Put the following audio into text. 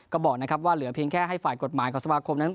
ก็บอกนะครับว่าเหลือเพียงแค่ให้ฝ่ายกฎหมายของสมาคมนั้น